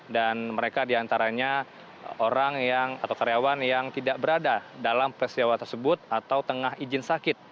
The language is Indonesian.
dan mereka diantaranya orang atau karyawan yang tidak berada dalam peristiwa tersebut atau tengah izin sakit